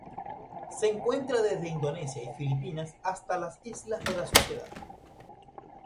Se encuentra desde Indonesia y Filipinas hasta las Islas de la Sociedad.